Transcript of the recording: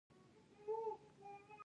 آیا چیرې چې ناروغي نه وي؟